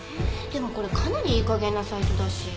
でもこれかなりいいかげんなサイトだし。